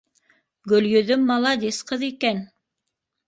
Гөлйөҙөм маладис ҡыҙ икән!